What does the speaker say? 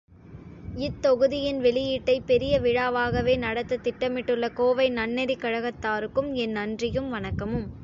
இத்தொகுதியின் வெளியீட்டைப் பெரிய விழாவாகவே நடத்தத் திட்டமிட்டுள்ள கோவை நன்னெறிக் கழகத்தாருக்கும் என் நன்றியும் வணக்கமும்.